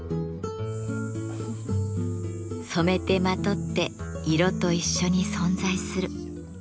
染めてまとって色と一緒に存在する。